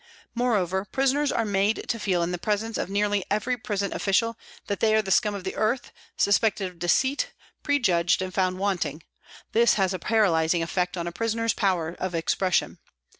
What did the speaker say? Moreover, prisoners are made to feel in the presence of nearly every prison official that they are the scum of the earth, sus pected of deceit, prejudged and found wanting ; this has a paralysing effect on a prisoner's powers of expression.